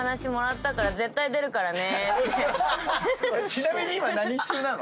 ちなみに今何中なの？